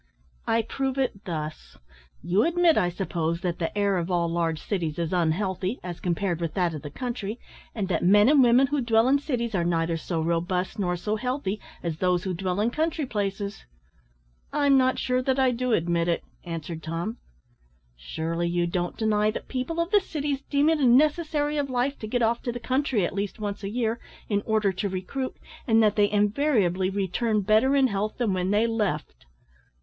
"I prove it thus: You admit, I suppose, that the air of all large cities is unhealthy, as compared with that of the country, and that men and women who dwell in cities are neither so robust nor so healthy as those who dwell in country places?" "I'm not sure that I do admit it," answered Tom. "Surely you don't deny that people of the cities deem it a necessary of life to get off to the country at least once a year, in order to recruit, and that they invariably return better in health than when they left?"